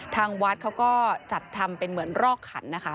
ทางวัดเขาก็จัดทำเป็นเหมือนรอกขันนะคะ